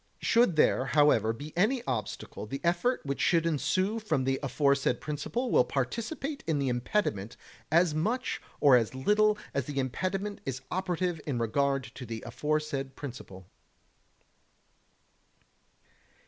Should there, however, be any obstacle, the effect which should ensue from the aforesaid principle will participate in the impediment as much or as little as the impediment is operative in regard to the aforesaid principle.